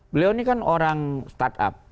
beliau ini kan orang startup